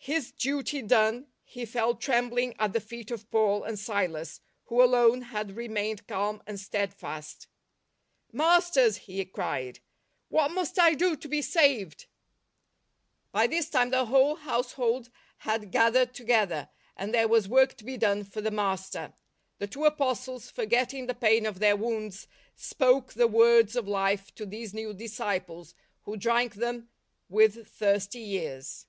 His duty done, he fell trembling at the feet of Paul and Silas, who alone had remained calm and steadfast. " Masters," he cried, " what must I do to be saved ?" By this time the whole household had gathered together, and there was work to be done for the Master. The two Apostles, for getting the pain of their wounds, spoke the words of life to these new disciples, who drank them m with thirsty ears.